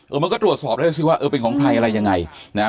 มันก็ตรวจสอบแล้วสิว่าเออเป็นของใครอะไรยังไงนะฮะ